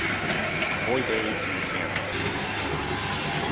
BOY DAYS IN KANSAS.